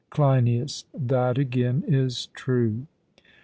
CLEINIAS: That again is true.